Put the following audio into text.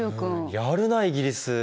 やるなイギリス！